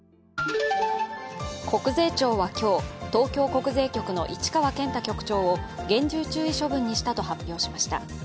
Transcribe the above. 国税庁は今日東京国税局の市川健太局長を厳重注意処分にしたと発表しました。